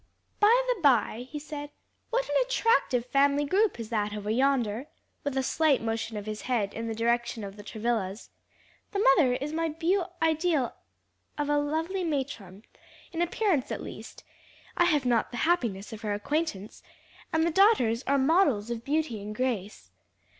"By the by," he said, "what an attractive family group is that over yonder," with a slight motion of the head in the direction of the Travillas. "The mother is my beau ideal of a lovely matron, in appearance at least I have not the happiness of her acquaintance and the daughters are models of beauty and grace.